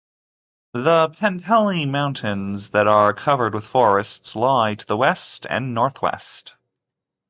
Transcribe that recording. The Penteli mountains that are covered with forests lie to the west and northwest.